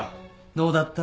どうだった？